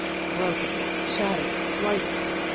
'Broken!' 'Shattered!' 'Blighted!'